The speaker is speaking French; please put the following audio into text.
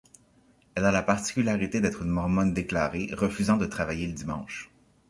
Elle a la particularité d'être une mormone déclarée, refusant de travailler le dimanche.